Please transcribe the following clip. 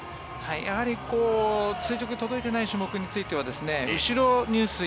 やはり垂直に届いていない種目については後ろ入水